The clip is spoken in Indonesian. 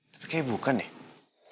tapi kayaknya bukan deh